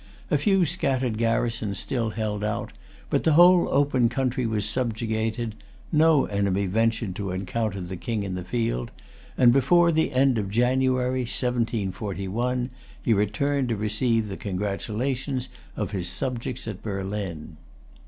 A few scattered garrisons still held out; but the whole open country was subjugated: no enemy ventured to encounter the King in the field; and, before the end of January, 1741, he returned to receive the congratulations of his subjects at Berlin.